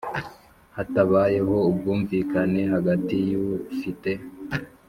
Hatabayeho ubwumvikane hagati y ufite